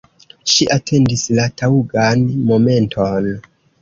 Ŝi atendis la taŭgan momenton.